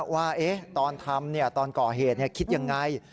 ว่าตอนทำตอนก่อเหตุคิดยังไง